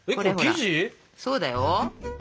そうだよ。